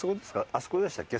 あそこでしたっけ？